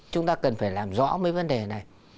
chúng ta cần phải làm rõ mấy vấn đề này